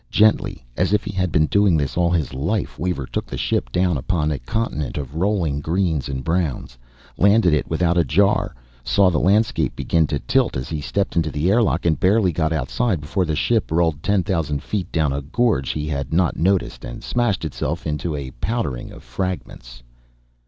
Gently, as if he had been doing this all his life. Weaver took the ship down upon a continent of rolling greens and browns, landed it without a jar saw the landscape begin to tilt as he stepped into the airlock, and barely got outside before the ship rolled ten thousand feet down a gorge he had not noticed and smashed itself into a powdering of fragments.